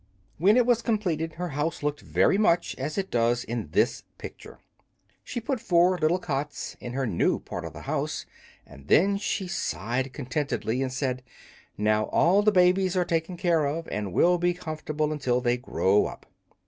When it was completed her house looked very much as it does in this picture. She put four little cots in her new part of the house, and then she sighed contentedly, and said, "Now all the babies are taken care of and will be comfortable until they grow up."